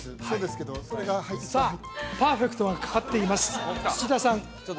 そうですけどそれがさあパーフェクトがかかっています土田さん